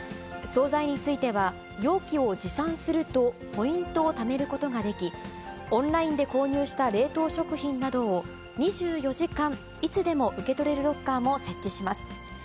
総菜については容器を持参すると、ポイントをためることができ、オンラインで購入した冷凍食品などを２４時間、いつでも受け取れるロッカーも設置します。